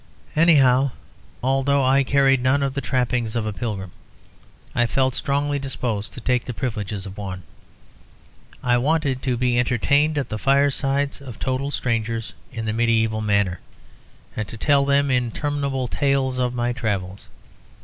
Anyhow, although I carried none of the trappings of a pilgrim I felt strongly disposed to take the privileges of one. I wanted to be entertained at the firesides of total strangers, in the medieval manner, and to tell them interminable tales of my travels.